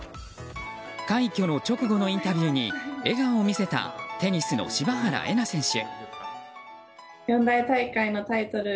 快挙の直後のインタビューに笑顔を見せたテニスの柴原瑛菜選手。